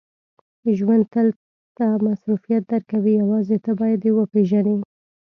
• ژوند تل ته فرصت درکوي، یوازې ته باید یې وپېژنې.